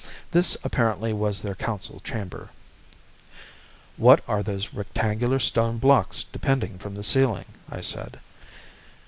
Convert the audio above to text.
This apparently was their council chamber." "What are those rectangular stone blocks depending from the ceiling?" I said.